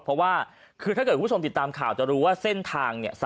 เพราะว่าคือถ้าเกิดคุณผู้ชมติดตามข่าวจะรู้ว่าเส้นทางเนี่ย